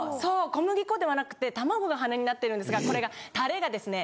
小麦粉ではなくて玉子が羽になってるんですがこれがタレがですね。